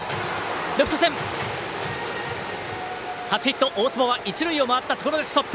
初ヒット、大坪は一塁回ったところでストップ。